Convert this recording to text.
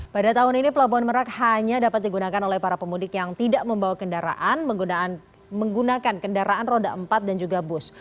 pada tahun ini pelabuhan merak hanya dapat digunakan oleh para pemudik yang tidak membawa kendaraan menggunakan kendaraan roda empat dan juga bus